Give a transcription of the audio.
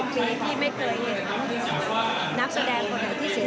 ชาวนี้ร่วมมาไว้อะไรเขาเยอะขนาดนี้